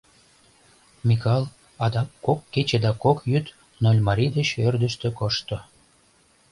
Микал адак кок кече да кок йӱд Нольмарий деч ӧрдыжтӧ кошто.